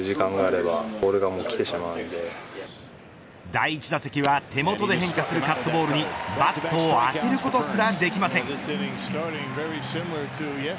第１打席は手元で変化するカットボールにバットを当てることすらできません。